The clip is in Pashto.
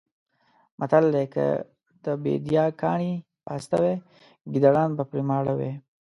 متل دی: که د بېدیا کاڼي پاسته وی ګېدړان به پرې ماړه وی.